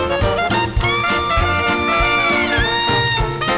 โปรดติดตามต่อไป